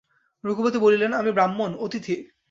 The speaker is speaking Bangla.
রঘুপতি বলিলেন, আমি ব্রাহ্মণ, অতিথি।